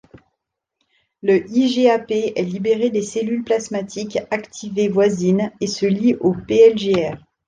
Le IgAp est libéré des cellules plasmatiques activées voisines et se lie au pIgR.